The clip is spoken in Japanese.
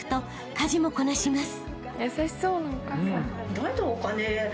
家事もこなします］